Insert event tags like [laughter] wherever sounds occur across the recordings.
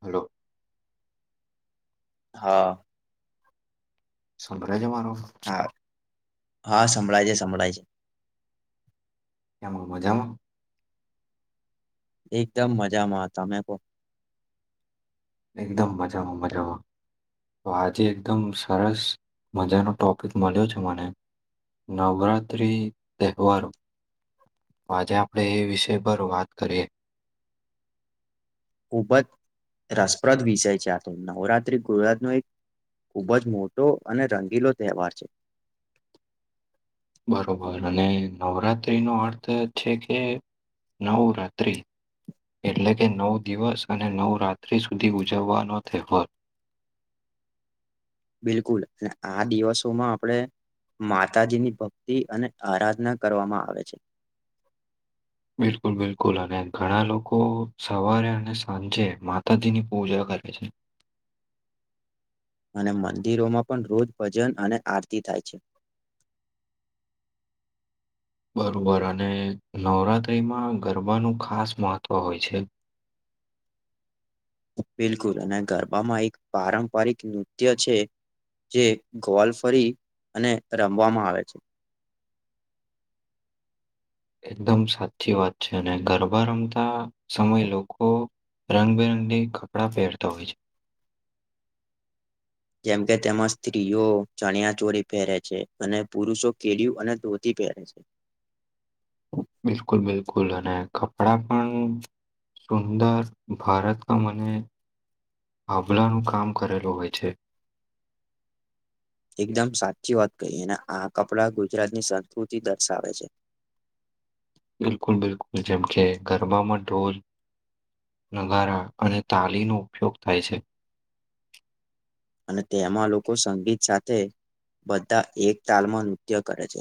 Hello. હા. સંભરે છે મારો હા હા સંભળાય છે સંભળાય છે. એમાં મજામાં. એકદમ મજામાં આતા મે કો. એકદમ મજામાં મજામાં. તો આજે એકદમ સરસ મજાનો ટોપિક મળ્યો છે મને. નવરાત્ર્રી તેવારો તો આજે આપણે એ વિષય પર વાત કરીએ. ખૂબ જ રસપ્રદ વિષાય છે આ તો નવરાત્રી ગુજરાત નું એક ખૂબ જ મોટો અને રંગીલો તહેવાર છે. બરોબર અને નવરાત્રી નો અર્થ છે કે નવ રાત્રિ એટલે કે નવ દિવસ અને નવ રાત્ર્રી સુધી ઉજવવાનો તહેવાર. [inaudible] બિલકુલ અને આ દિવસોમાં આપણેે માતાજીની ભક્તિ અને આરાધના કરવામાં આવે છે. [inaudible] બિલકુલ બિલકુલ અને ઘણા લોકો સવારે અને સાંજે માતાજીની પૂજા કરે છે. અને મંદિરોમાં પણ રોજ ભજન અને આરતી થાય છે. [inaudible] બરોબર અને નવરાત્રીમાં ગરબાનું ખાસ મહત્ત્વ હોય છે. [inaudible] બિલકુલ અને ગરબામાં એક પારંપરિક નૃત્ય છે. જે ગોવાલ ફરી અને રમવામાં આવે છે. એકદમ સાચી વાત છે અને ગરબા રમતા સમયે લોકો રંગબેરંગી કપડાં પહેરતા હોય છે. જેમ કે તેમાં સ્ત્રીઓ ચણિયા ચોરી પેરે છે અને પુરુષો કેડીયું અને ધોતી પેર છે બિલકુલ બિલકુલ અને કપડા પણ સુંદર ભરત ક મને [unintelligible] હાભલાનું કામ કરેલું હોય છે. એકદમ સાચી વાત કહી અને આ કપડાં ગુજરાતની સંસ્કૃતિ દર્શાવે છે. બિલકુલ બિલકુલ જેમ કે ગરબામાં ઢોલ નગારા અને તાલીનો ઉપયોગ થાય છે. અને તેમાં લોકો સંગીત સાથે બધા એકતાલમાં નૃત્ય કરે છે.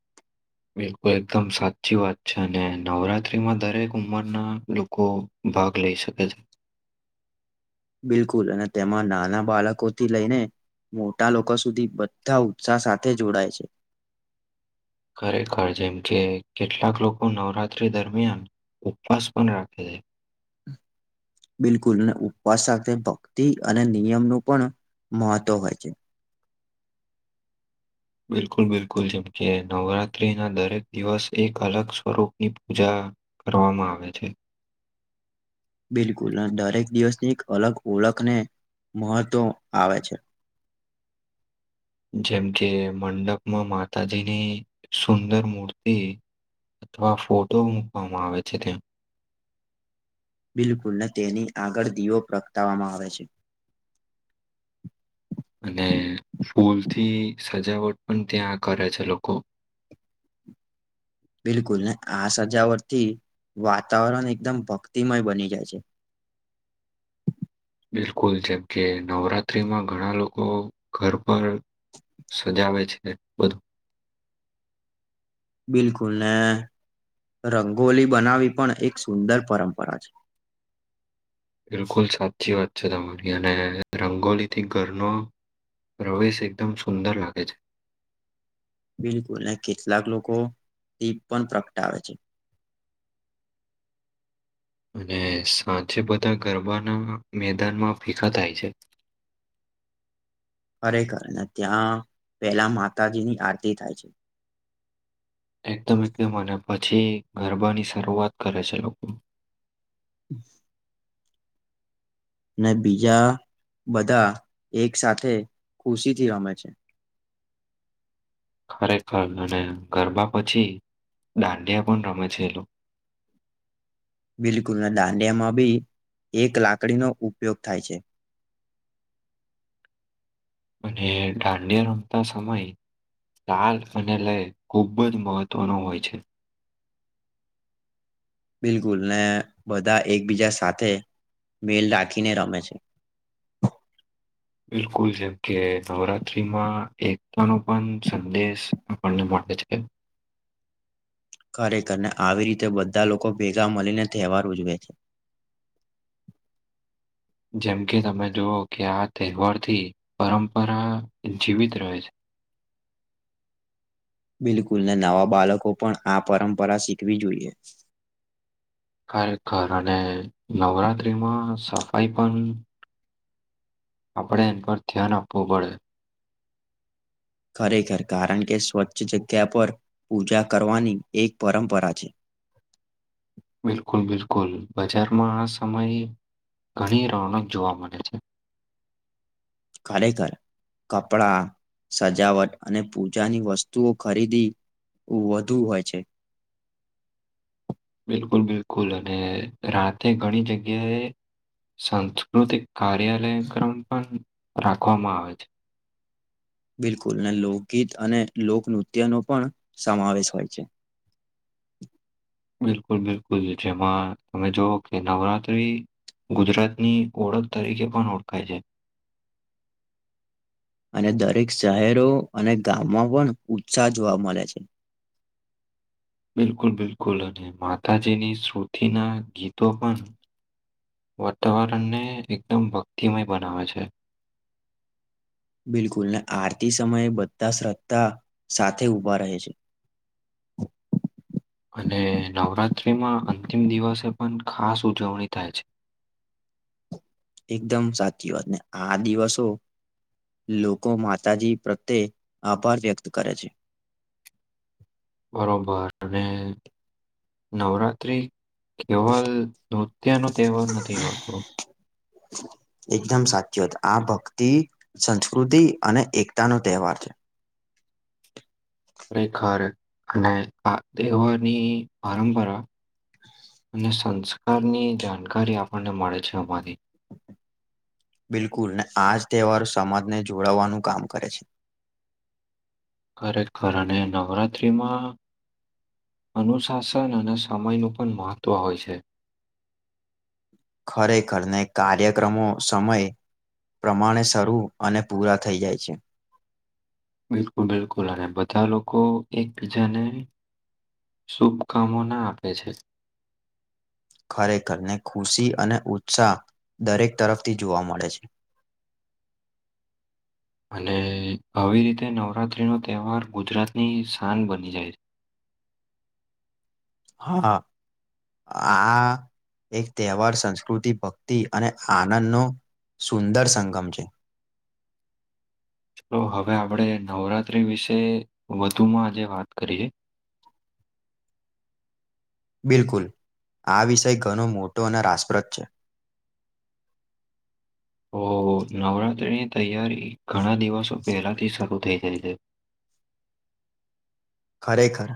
[inaudible] બિલકુલ એકદમ સાચી વાત છે અને નવરાત્રીમાં દરેક ઉંમરના લોકો ભાગ લઈ શકે છે. બિલકુલ અને તેમાં નાના બાળકોથી લઈને મોટા લોકો સુધી બધા ઉત્સાહ સાથે જોડાય છે. ખરેખર જેમ કે કેટલાક લોકો નવરાત્રી દરમિયાન ઉપવાસ પન રાખે છે બિલકુલ અને ઉપવાસ સાથે ભક્તિ અને નિયમનું પણ મહત્ત્વ હોય છે. બિલકુલ બિલકુલ જેમ કે નવરાત્રી ના દરેક દિવસ એક અલગ સ્વરૂપની પૂજા કરવામાં આવે છે. બિલકુલ દરેક દિવસની એક અલગ ઓળખને મહત્વ આવે છે. [inaudible] જેમ કે મંડપમાં માતાજીની સુંદર મૂર્તિ અથવા ફોટો મૂકવામાં આવે છે તેમ બિલકુલ ને તેની આગળ દીવો પ્રગટાવવામાં આવે છે. [inaudible] અને ફૂલથી સજાવટ પણ ત્યાં કરે છે લોકો [inaudible] બિલકુલ ને આ સજાવટથી વાતાવરણ એકદમ ભક્તિમય બની જાય છે બિલકુલ જેમ કે નવરાત્રીમાં ઘણા લોકો ઘર પર સજાવે છે બદ બિલકુલ ને રંગોલી બનાવી પણ એક સુંદર પરંપરા છે બિલકુલ સાચી વાત છે તમારી અને રંગોલી થી ઘરનો પ્રવેશ એકદમ સુંદર લાગે છે બિલકુલ ને કેટલાક લોકો દીપ પણ પ્રગટાવે છે અને સાંચે બધા ગરબાના મેદાનમાં ભેગા થાય છે [inaudible] ખરેખર ત્યાં પેલા માતાજીની આરતી થાય છે એકદમ એકદમ અને પછી ગરબાની શરૂઆત કરે છે લોકો [inaudible] ને બીજા બધા એક સાથે ખુશીથી રમે છે [inaudible] [inaudible] ખરેખર અને ગરબા પછી દાંડિયા પણ રમે છે એ લોકો [inaudible] [inaudible] બિલકુલ ના દાંડિયામાં બી એક લાકડીનો ઉપયોગ થાય છે અને ડાંડિયા રમતા સમયે તાલ અને લય ખૂબ જ મહત્વનો હોય છે બિલકુલ ને બધા એકબીજા સાથે મેલ રાખીને રમે છે [inaudible] [inaudible] બિલકુલ જેમ કે નવરાત્રીમાં એકતા નો પણ સંદેશ આપણને મળતો [inaudible] [inaudible] ખરેખરને આવી રીતે બધા લોકો ભેગા મળીને તહેવાર ઉજવે છે [inaudible] [inaudible] જેમ કે તમે જોુવ કે આ તહેવારથી પરંપરા જીવિત રહે છે બિલકુલને નવા બાળકો પણ આ પરંપરા શીખવી જોઈએ ખરેખર અને નવરાત્રિમાં સફાઈ પણ આપણે એન પર ધ્યાન આપવું પડે ખરેખર કારણ કે સ્વચ્છ જગ્યા પર પૂજા કરવાની એક પરમ્પરા છે બિલકુલ બિલકુલ બજારમાં આ સમયે ઘણી રોનક જોવા મળે છે ખરેખર કપડા સજાવટ અને પૂજાની વસ્તુઓ ખરીદી વધુ હોય છે [inaudible] [inaudible] બિલકુલ બિલકુલ અને રાતે ઘણી જગ્યાએ સાસ્કૃતિક કાર્યાલય ક્રમ પણ રાખવામાં આવે છે બિલકુલ અને લોકગીત અને લોકનૃત્યનો પણ સમાવેશ હોય છે બિલકુલ બિલકુલ જેમાં તમે જોવ કે નવરાત્રી ગુજરાતની ઓળખ તરીકે પણ ઓળખાય છે અને દરેક શહેરો અને ગામમાં પણ ઉત્સાહ જોવા મળે છે [inaudible] [inaudible] બિલકુલ બિલકુલ અને માતાજીની શ્રુતિના ગીતો પણ વાતાવરણને એકદમ ભક્તિમય બનાવે છે બિલકુલ ને આરતી સમયે બધા શ્રદ્ધા સાથે ઊભા રહે છે [inaudible] [inaudible] અને નવરાત્રિમાં અંતિમ દિવસે પણ ખાસ ઉજવણી થાય છે [inaudible] [inaudible] એકદમ સાચી વાત ને આ દિવસો લોકો માતાજી પ્રત્યે આભાર વ્યક્ત કરે છે બરોબર અને નવરાત્ર્રી કેવલ નૃત્યનો તહેવાર નથી હોતો એકદમ સાચી વાત આ ભક્તિ સંસ્કૃતિ અને એકતા નો તહેવાર છે ખરેખર અને આ દેવની પરંપરા અને સંસ્કારની જાણકારી આપણને મળે છે અમારી બિલકુલ ને આ જ તહેવારો સમાજને જોડાવવાનું કામ કરે છે ખરેખર અને નવરાત્રિમાં અનુશાસન અને સમયનું પણ મહત્ત્વ હોય છે ખરેખરને કાર્યક્રમો સમય પ્રમાણે શરૂ અને પૂરા થઈ જાય છે બિલકુલ બિલકુલ અને બધા લોકો એકબીજાને શુભકામોના આપે છે. ખરેખરને ખુશી અને ઉત્સાહ દરેક તરફથી જોવા મળે છે. [inaudible] અને આવી રીતે નવરાત્રીનો તહેવાર ગુજરાતની શાન બની જાય છે. [inaudible] હા આ એક તહેવાર સંસ્કૃતિ, ભક્તિ અને આનંદનો સુંદર સંગમ છે. તો હવે આપડે નવરાત્ર નવરાત્રી વિશે વધુમાં આજે વાત કરીએ. બિલકુલ આ વિષય ઘણો મોટો અને રાસપ્રદ છે. [inaudible] ઓહો નવરાત્રીની તૈયારી ઘણા દિવસો પહેલાથી શરૂ થઈ જાય. છે. ખરેખર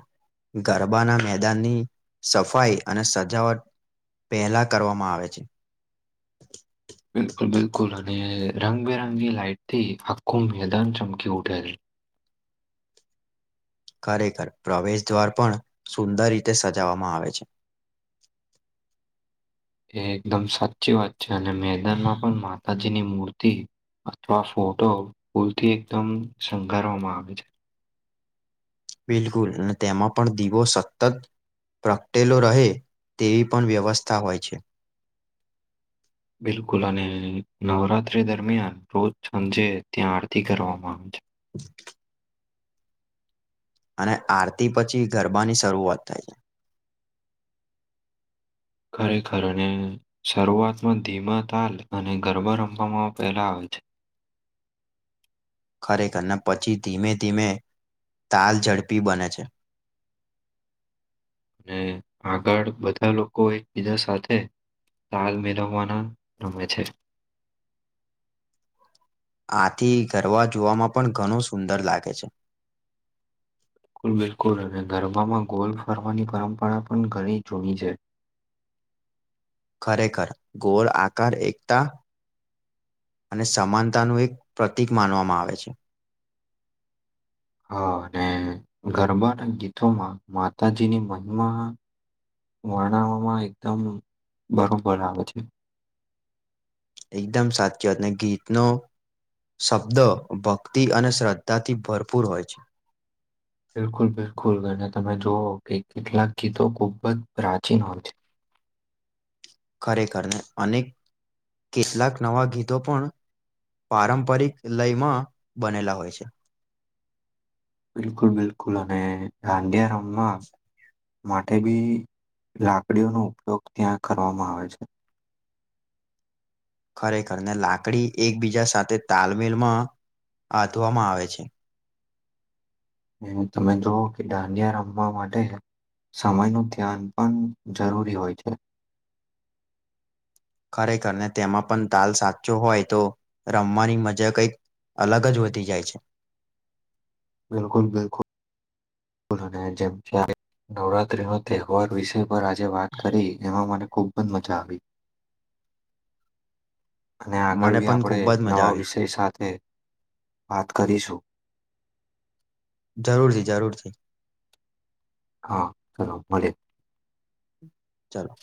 ગરબાના મેદાનની સફાઈ અને સજાવટ પહેલા કરવામાં આવે છે. [inaudible] બિલકુલ-બિલકુલ અને રંગબેરંગી લાઈટથી આખું મેદાન ચમકી ઉઠેલ. [inaudible] ખરેખર પ્રવેશ દ્વાર પણ સુંદર રીતે સજાવવામાં આવે છે. [inaudible] એ એકદમ સાચી વાત છે અને મેદાનમાં પણ માતાજીની મૂર્તિ અથવા ફોટો ફૂલથી એકદમ શણંગારવામાં આવે છે. બિલકુલ અને તેમાં પણ દીવો સતત પ્રગટેલો રહે તેવી પણ વ્યવસ્થા હોય છે. [inaudible] બિલકુલ અને નવરાત્રી દરમિયાન રોજ સાંજે ત્યાં આરતી કરવામાં આવે છે. [inaudible] અને આરતી પછી ગરબાની શરૂઆત થાય છે. ખરેખર ને શરૂઆતમાં ધીમા તાલ અને ગરબા રમવામાં પહેલા આવે. [inaudible] ખરેખરને પછી ધીમે-ધીમે તાલ ઝડપી બને છે. અને આગળ બધા લોકો એકબીજા સાથે તાલ મેળવવાના રમે છે. આથી ગરબા જોવામાં પણ ઘણુ સુંદર લાગે છે. બિલકુલ-બિલકુલ અને ગરબામાં ગોલ ફરવાની પરંપરા પણ ઘણી જૂની છે. ખરેખર ગોળ આકાર એકતા અને સમાનતાનું એક પ્રતિક માનવામાં આવે છે. હા અને ગરબાના ગીતોમાં માતાજીની મનમાં વર્ણવમાં એકદમ બરોબર આવે છે. એકદમ સાચી વાતને ગીતનો શબ્દો ભક્તિ અને શ્રદ્ધાથી ભરપૂર હોય છે. બિલકુલ-બિલકુલ અને તમે જુઓ કે કેટલાક ગીતો ખૂબ જ પ્રાચીન હોય છે. ખરેખરને અને કેટલાક નવા ગીતો પણ પારંપરિક લયમાં બનેલા હોય છે. બિલકુલ-બિલકુલ અને દાંડિયા રમવા માટે બી લાકડીઓનો ઉપયોગ ત્યાં કરવામાં આવે છે. ખરેખરને લાકડી એકબીજા સાથે તાલમેલમાં આતવામાં આવે છે. તમે જુવ કે દાંડિયા રમવા માટે- સમયનું ધ્યાન પણ જરૂરી હોય છે. ખરેખર ને તેમાં પણ દાલ સાચો હોય તો રમવાની મજા કઈક અલગ જ વધી જાય છે. બિલકુલ. બિલકુલ. અને જેમ છે નવરાત્રી નો તહેવાર વિષય પર આજે વાત કરી એમાં મને ખુબ મજા આવી. અને આગળ મને બી પણ આપણે ખૂબ જ મજા નવા આવી વિષય સાથે વાત કરીશું જરૂરથી જરૂરથી હા સલામ ચાલો